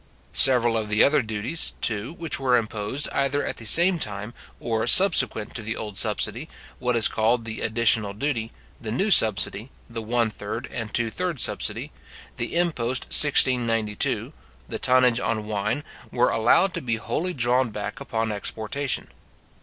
Several of the other duties, too which were imposed either at the same time or subsequent to the old subsidy, what is called the additional duty, the new subsidy, the one third and two thirds subsidies, the impost 1692, the tonnage on wine, were allowed to be wholly drawn back upon exportation.